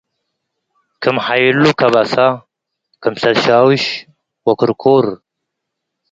ክም ሐይሉ ከበሰ - ክምሰል ሻውሽ ወክርኩር